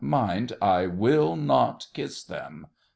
Mind, I will not kiss them.